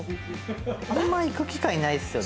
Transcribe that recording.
あんま行く機会ないですよね。